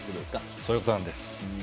そういうことなんです。